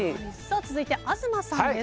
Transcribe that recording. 続いて鈴木さんです。